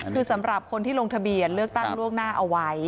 คือสำหรับคนที่ลงทะเบียนเลือกตั้งล่วงหน้าเอาไว้